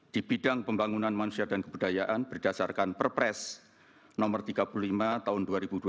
di bidang pembangunan manusia dan kebudayaan berdasarkan perpres nomor tiga puluh lima tahun dua ribu dua puluh